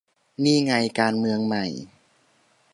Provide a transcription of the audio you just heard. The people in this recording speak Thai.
นี่ไง การเมืองใหม่